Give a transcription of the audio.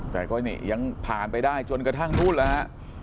แต่ก็นี่ยังผ่านไปได้จนกระทั่งนู้นแล้วฮะ